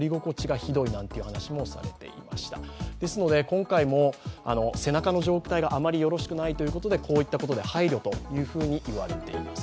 今回も背中の状態があまりよろしくないということでこういったことで配慮というふうにいわれています。